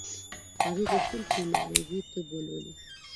هغې غوښتل چې معالجوي طب ولولي